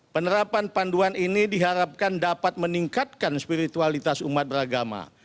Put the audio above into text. penerapan panduan ini diharapkan dapat meningkatkan spiritualitas umat beragama